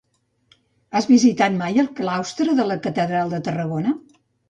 Has visitat mai el claustre de la catedral de Tarragona?